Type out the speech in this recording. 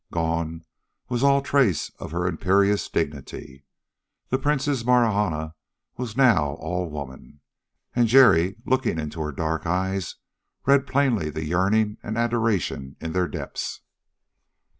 Gone was all trace of her imperious dignity. The Princess Marahna was now all woman. And Jerry, looking into her dark eyes, read plainly the yearning and adoration in their depths.